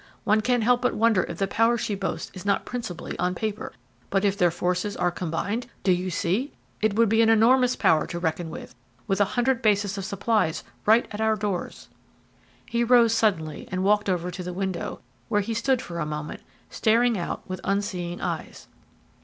One can't help but wonder if the power she boasts is not principally on paper. But if their forces are combined? Do you see? It would be an enormous power to reckon with, with a hundred bases of supplies right at our doors." He rose suddenly and walked over to the window, where he stood for a moment, staring out with unseeing eyes.